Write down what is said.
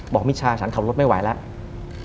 มิชาฉันขับรถไม่ไหวแล้ว